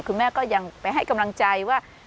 คุณแม่ก็ยังไปให้กำลังใจว่า